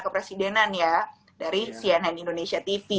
kepresidenan ya dari cnn indonesia tv